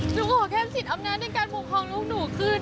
หนูขอแค่สิทธิ์อำนาจในการบุคคลของลูกหนูคืน